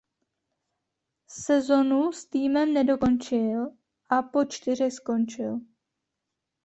Sezonu s týmem nedokončil a po čtyřech skončil.